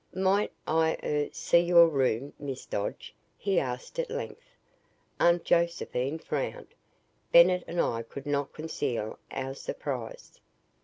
"Might I er see your room, Miss Dodge?" he asked at length. Aunt Josephine frowned. Bennett and I could not conceal our surprise.